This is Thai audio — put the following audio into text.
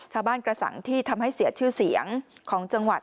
กระสังที่ทำให้เสียชื่อเสียงของจังหวัด